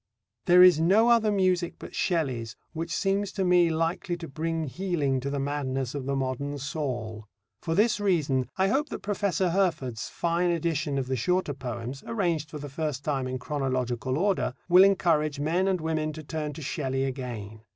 There is no other music but Shelley's which seems to me likely to bring healing to the madness of the modern Saul. For this reason I hope that Professor Herford's fine edition of the shorter poems (arranged for the first time in chronological order) will encourage men and women to turn to Shelley again.